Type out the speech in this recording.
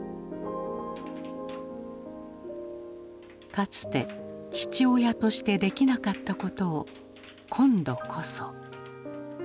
かつて父親としてできなかったことを「今度こそ」。